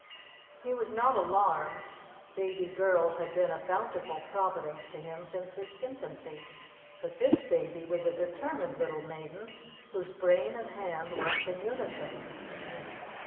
He was not alarmed: baby girls had been a bountiful providence to him since his infancy. But this baby was a determined little maiden whose brain and hand worked in unison.